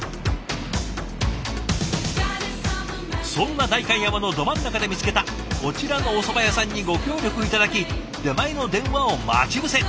そんな代官山のど真ん中で見つけたこちらのおそば屋さんにご協力頂き出前の電話を待ち伏せ。